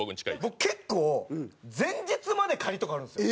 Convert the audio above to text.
僕結構前日までとかあるんですよ。